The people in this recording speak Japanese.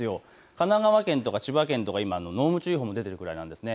神奈川県とか千葉県とか、濃霧注意報も出ているくらいなんです。